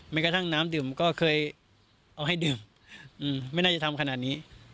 แม้กระทั่งน้ำดื่มก็เคยเอาให้ดื่มไม่น่าจะทำขนาดนี้